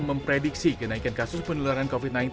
memprediksi kenaikan kasus penularan covid sembilan belas